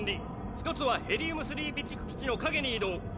１つはヘリウム３備蓄基地の陰に移動。